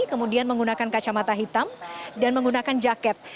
kemudian menggunakan kacamata hitam dan menggunakan jaket